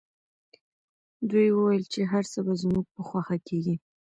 دوی وویل چي هر څه به زموږ په خوښه کیږي.